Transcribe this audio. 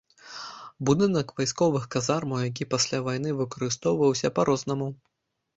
Будынак вайсковых казармаў, які пасля вайны выкарыстоўваўся па-рознаму.